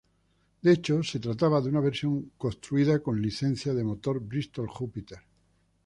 De hecho se trataba de una versión construida con licencia de motor Bristol Jupiter.